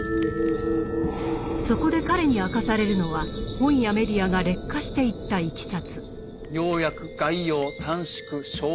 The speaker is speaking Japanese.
そこで彼に明かされるのは本やメディアが劣化していったいきさつ。